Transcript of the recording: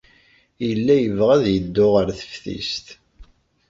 Yella yebɣa ad yeddu ɣer teftist.